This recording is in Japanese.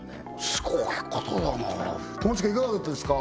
すごいことだな友近いかがだったですか？